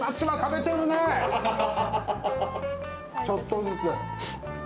ちょっとずつ。